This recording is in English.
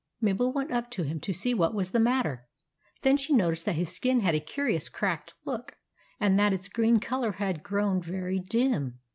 Mabel went up to him, to see what was the matter. Then she noticed that his skin had a curious cracked look, and that its green colour had grown very dim.